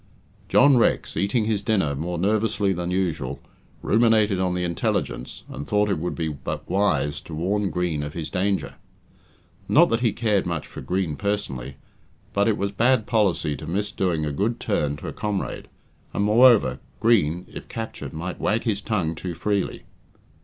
John Rex, eating his dinner more nervously than usual, ruminated on the intelligence, and thought it would be but wise to warn Green of his danger. Not that he cared much for Green personally, but it was bad policy to miss doing a good turn to a comrade, and, moreover, Green, if captured might wag his tongue too freely.